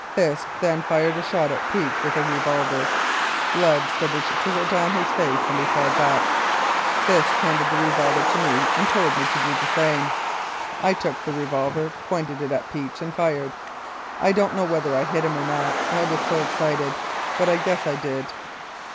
Fisk then fired a shot at Peach with a revolver. Blood started to trickle down his face and he fell back. Fisk handed the revolver to me and told me to do the same. I took the revolver, pointed it at Peach, and fired. I don't know whether I hit him or not, I was so excited but I guess I did.